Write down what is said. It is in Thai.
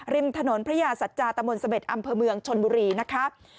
ริมถนนพระยาสัจจาตะมนต์เสม็ดอำเภอเมืองชนบุรีนะคะ